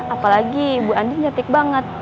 apalagi bu andin nyetik banget